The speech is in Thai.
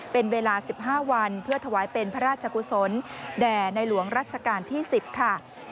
เป็นเวลา๑๕วันเพื่อถวายเป็นพระราชกุศลแด่ในหลวงรัชกาลที่๑๐ค่ะ